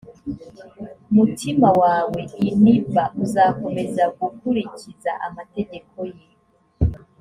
mutima wawe i niba uzakomeza gukurikiza amategeko ye